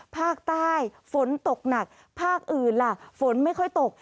ภาคใต้ฝนตกหนักภาคอื่นล่ะฝนไม่ค่อยตก